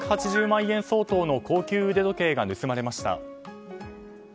８８０万円相当の高級腕時計が盗まれました。